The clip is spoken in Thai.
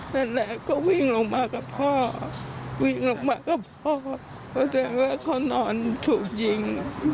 นั่นแหละก็วิ่งลงมากับพ่อวิ่งลงมากับพ่อเขาเข้าใจว่าเขานอนถูกยิง